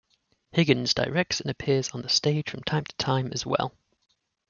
Higgins directs and appears on the stage from time to time as well.